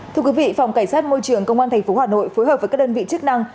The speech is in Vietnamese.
thưa quý vị phòng cảnh sát môi trường công an tp hà nội phối hợp với các đơn vị chức năng